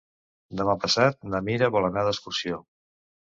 Demà passat na Mira vol anar d'excursió.